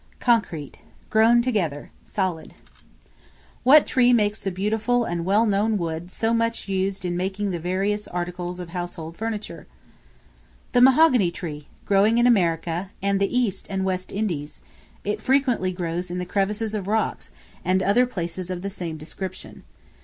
Concrete, grown together, solid. What Tree produces the beautiful and well known wood so much used in making the various articles of household furniture? The Mahogany Tree, growing in America, and the East and West Indies; it frequently grows in the crevices of rocks, and other places of the same description.